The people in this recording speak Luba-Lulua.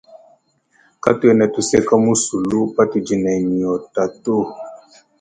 Katuena tuseka muzulu patudi ne nyotato.